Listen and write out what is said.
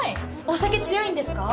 お酒強いんですか？